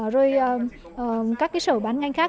rồi các sở bán nganh khác